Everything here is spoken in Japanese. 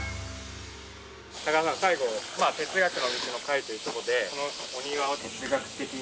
高田さん最後哲学の道の回という事でこのお庭を哲学的に。